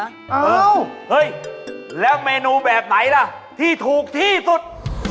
เฮ้ยแล้วเมนูแบบไหนล่ะที่ถูกที่สุด